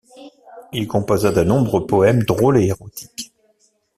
Il composa de nombreux poèmes drôles et érotiques.